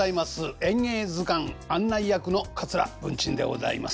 「演芸図鑑」案内役の桂文珍でございます。